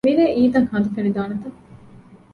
މިރޭ އީދަށް ހަނދު ފެނިދާނެތަ؟